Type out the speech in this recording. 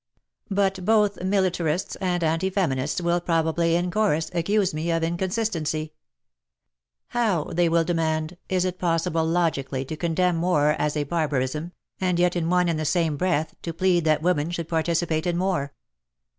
But both militarists and anti feminists will probably. In chorus, accuse me of inconsistency. How, they will demand, Is it possible logically to condemn war as a barbarism, and yet In one and the same breath to plead that women should participate in war ?